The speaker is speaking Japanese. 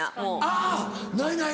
あぁないない。